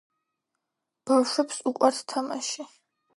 ბავშვებს უყვართ თამაში